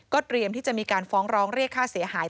เตรียมที่จะมีการฟ้องร้องเรียกค่าเสียหาย